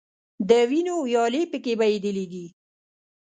د وینو ویالې په کې بهیدلي دي.